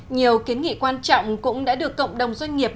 nhiều kiến nghị quan trọng cũng đã được cộng đồng doanh nghiệp